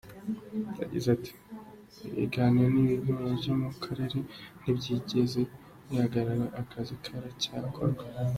Yagize ati “Ibiganiro n’ibihugu byo mu Karere ntibyigeze bihagarara, akazi karacyakorwa.